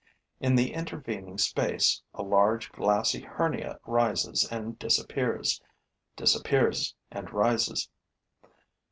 In the intervening space, a large, glassy hernia rises and disappears, disappears and rises.